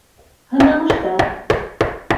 ҺЫНАМЫШТАР